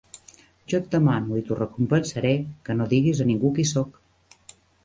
Jo et demane, i t’ho recompensaré, que no digues a ningú qui soc.